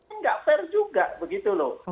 ini nggak fair juga begitu loh